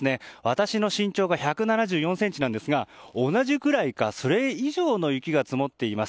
私の身長が１７４ｃｍなんですが同じくらいか、それ以上の雪が積もっています。